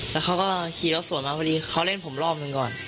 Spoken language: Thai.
อืมครับแล้วเขาก็ขี่แล้วสวนมาพอดีเขาเล่นผมรอบนึงก่อน